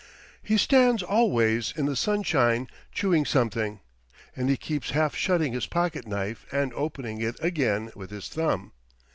He stands always in the sunshine chewing something; and he keeps half shutting his pocket knife and opening it again with his thumb.